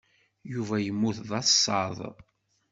Yuba yemmut d asaḍ.